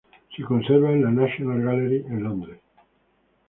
Se conserva en la National Gallery, en Londres.